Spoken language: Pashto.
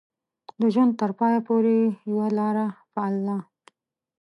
د ژوند تر پايه پورې يې يوه لاره پالله.